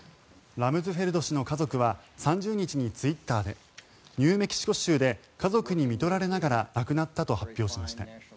ラムズフェルド氏の家族は３０日にツイッターでニューメキシコ州で家族にみとられながら亡くなったと発表しました。